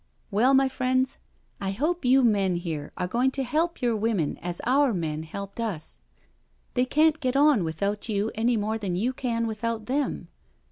Well, my friends, I hope you men here are going to help your women as our men helped us. They can't get on without you any more than you can without them.